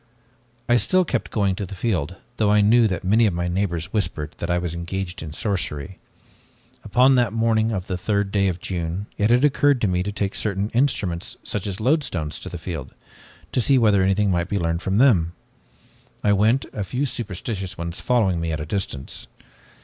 "I still kept going to the field, though I knew that many of my neighbors whispered that I was engaged in sorcery. Upon that morning of the third day of June, it had occurred to me to take certain instruments, such as loadstones, to the field, to see whether anything might be learned with them. I went, a few superstitious ones following me at a distance.